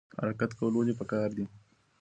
حرکت کول ولې پکار دي؟